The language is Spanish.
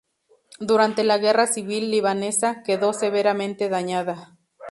Durante la guerra civil libanesa quedó severamente dañada.